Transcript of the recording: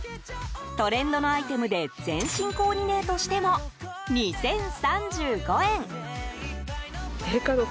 トレンドのアイテムで全身コーディネートしても２０３５円。